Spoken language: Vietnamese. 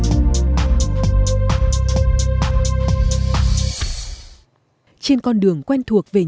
nhưng ngày hôm nay chị nguyễn thị quế lại thấy ấm lòng và phấn khởi hơn ngày thường